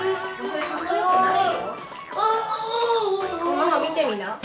ママ見てみな。